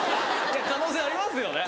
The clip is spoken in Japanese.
可能性ありますよね。